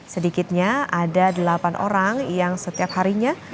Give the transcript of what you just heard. sedikitnya ada delapan orang yang setiap harinya